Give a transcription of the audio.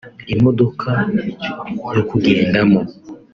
imodoka yo kugendamo